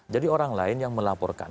jadi orang lain yang melaporkan